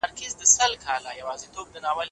د څېړني مواد باید په سم ډول تنظیم سي.